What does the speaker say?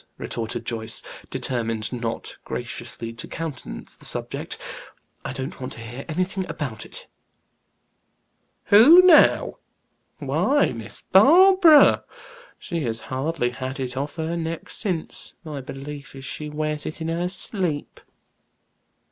retorted Joyce, determined not graciously to countenance the subject. "I don't want to hear anything about it." "'Who,' now! Why, Miss Barbara. She has hardly had it off her neck since, my belief is she wears it in her sleep."